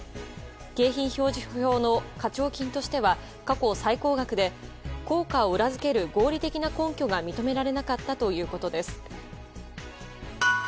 景品表示法の課徴金としては過去最高額で効果を裏付ける合理的な根拠が認められなかったということです。